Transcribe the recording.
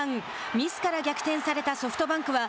ミスから逆転されたソフトバンクは